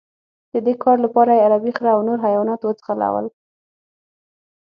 د دې کار لپاره یې عربي خره او نور حیوانات وځغلول.